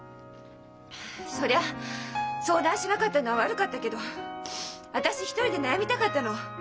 そりゃ相談しなかったのは悪かったけど私一人で悩みたかったの。